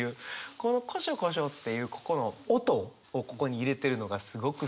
この「コショコショ」っていうここの音をここに入れてるのがすごくすてきだな。